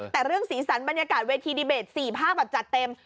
แต่เรื่องสีสันบรรยากาศเวทีดีเบต๔ภาพแบบจัดเต็ม